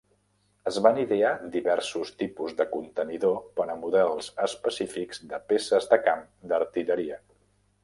Es van idear diversos tipus de contenidor per a models específics de peces de camp d'artilleria.